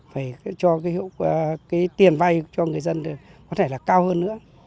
phải cho cái tiền vay cho người dân có thể là cao hơn nữa